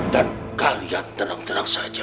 dan kalian tenang tenang saja